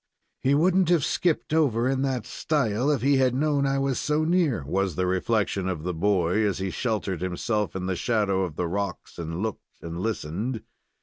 "He wouldn't have skipped over in that style if he had known I was so near," was the reflection of the boy, as he sheltered himself in the shadow of the rocks and looked and listened.